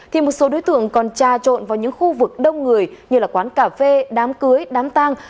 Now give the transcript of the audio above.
thì một số đối tượng còn trà trộn vào những khu vực đông người như quán cà phê đám cưới đám tang